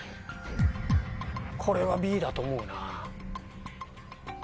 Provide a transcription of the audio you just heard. これはＢだと思うな。